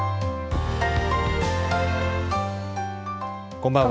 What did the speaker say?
こんばんは。